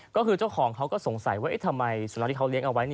ก็คือเจ้าของเขาก็สงสัยว่าทำไมสุนัขที่เขาเลี้ยงเอาไว้